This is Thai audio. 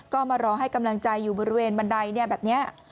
ก็มารอให้กำลังใจอยู่บริเวณบันไดแบบนี้